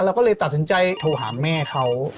เราก็เลยตัดสินใจโทรหาแม่เขา